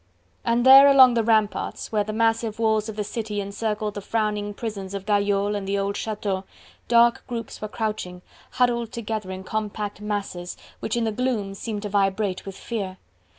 And there along the ramparts where the massive walls of the city encircled the frowning prisons of Gayole and the old Chateau, dark groups were crouching, huddled together in compact masses, which in the gloom seemed to vibrate with fear.